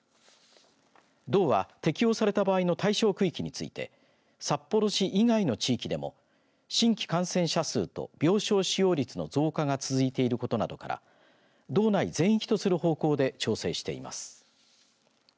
道は適用された場合の対象区域について札幌市以外の地域でも新規感染者数と病床使用率の増加が続いていることなどから道内全域とする方向で調整しています。